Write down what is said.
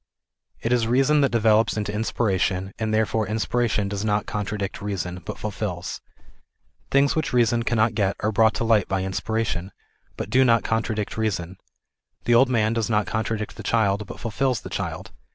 It is reason that develops into inspiration, and therefore inspiration does not contradict reason, but fulfils. Things which reason cannot o et are brought to light by inspiration, but do not contradict reason. The old man does not contradict the child but fulfils the child.